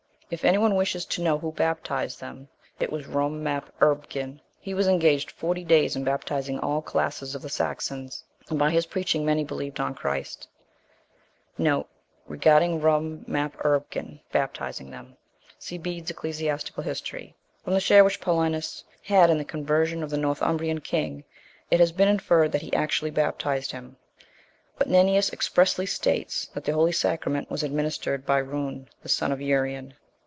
If any one wishes to know who baptized them, it was Rum Map Urbgen:* he was engaged forty days in baptizing all classes of the Saxons, and by his preaching many believed on Christ. * See Bede's Eccles. Hist. From the share which Paulinus had in the conversion of the Northumbrian king, it has been inferred that he actually baptized him; but Nennius expressly states, that the holy sacrament was administered by Rhun, the son of Urien.